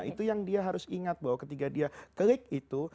itu yang dia harus ingat bahwa ketika dia klik itu